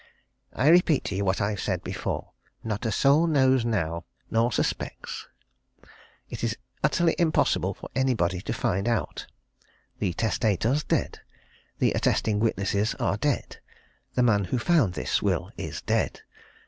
I repeat to you what I've said before not a soul knows now, no nor suspects! It's utterly impossible for anybody to find out. The testator's dead. The attesting witnesses are dead. The man who found this will is dead.